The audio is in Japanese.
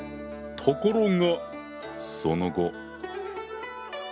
ところがその後。